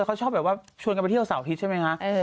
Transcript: เขาชอบแบบว่าชวนกันไปเที่ยวเสาร์อาทิตย์ใช่ไหมคะ